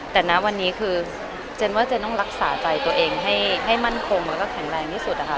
แต่นะวันนี้คือเจนว่าเจนต้องรักษาใจตัวเองให้มั่นคงแล้วก็แข็งแรงที่สุดนะคะ